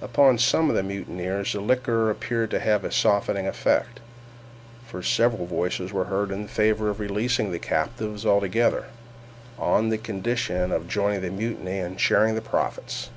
Upon some of the mutineers the liquor appeared to have a softening effect, for several voices were heard in favor of releasing the captives altogether, on condition of joining the mutiny and sharing the profits.